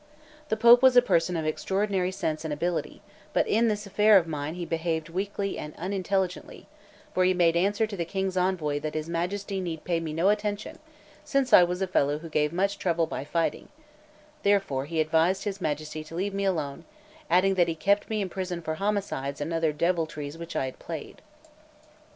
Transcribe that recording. The Pope was a person of extraordinary sense and ability, but in this affair of mine he behaved weakly and unintelligently; for he made answer to the King's envoy that his Majesty need pay me no attention, since I was a fellow who gave much trouble by fighting; therefore he advised his Majesty to leave me alone, adding that he kept me in prison for homicides and other deviltries which I had played.